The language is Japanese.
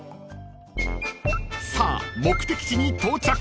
［さあ目的地に到着］